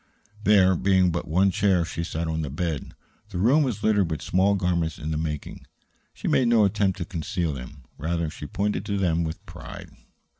There being but one chair, she sat on the bed. The room was littered with small garments in the making. She made no attempt to conceal them; rather, she pointed to them with pride.